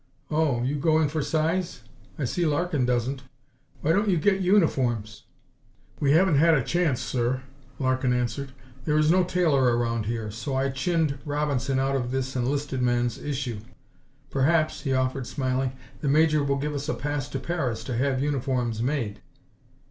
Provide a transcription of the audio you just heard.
"Oh, you go in for size? I see Larkin doesn't. Why don't you get uniforms?" "We haven't had a chance, sir," Larkin answered. "There is no tailor around here, so I chinned Robinson out of this enlisted man's issue. Perhaps," he offered, smiling, "the Major will give us a pass to Paris to have uniforms made."